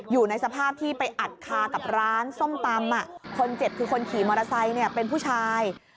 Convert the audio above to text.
อยู่ในสภาพที่ไปอัดคากับร้านส้มตำคนเจ็บคือคนขี่มอเตอร์ไซค์เป็นผู้ชาย